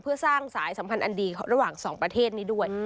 เพื่อสร้างสายสัมพันธ์อันดีระหว่างสองประเทศนี้ด้วย